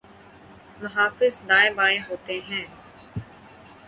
محافظ دائیں بائیں ہوتے ہیں۔